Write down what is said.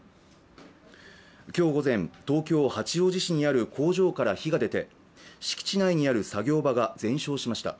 今日午前、東京・八王子市にある工場から火が出て敷地内にある作業場が全焼しました。